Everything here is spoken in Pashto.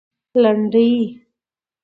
لنډۍ